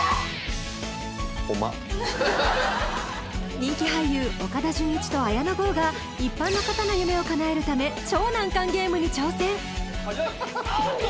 人気俳優岡田准一と綾野剛が一般の方の夢をかなえるため超難関ゲームに挑戦あっと！